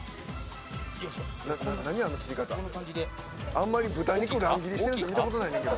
あんまり豚肉乱切りしてる人見た事ないねんけど。